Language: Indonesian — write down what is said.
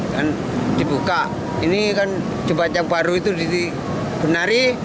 kan dibuka ini kan jembatan yang baru itu dibenari